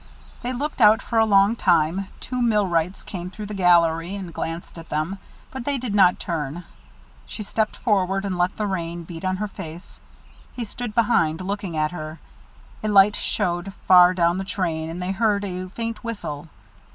They looked out for a long time. Two millwrights came through the gallery, and glanced at them, but they did not turn. She stepped forward and let the rain beat on her face he stood behind, looking at her. A light showed far down the track, and they heard a faint whistle.